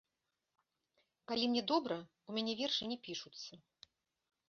Калі мне добра, у мяне вершы не пішуцца.